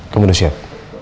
kamu udah siap